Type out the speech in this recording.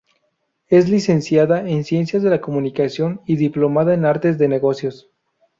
Es Licenciada en Ciencias de las Comunicación y Diplomada en Artes de Negocios.